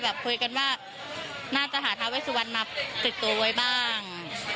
แบบคุยกันว่่าน่าจะหาทาเวสวันมาติดโตไว้บ้าง